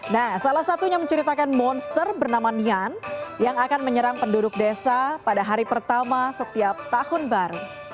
nah salah satunya menceritakan monster bernama nian yang akan menyerang penduduk desa pada hari pertama setiap tahun baru